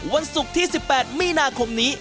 วันศุกร์ที่๑๘มีนาคมนี้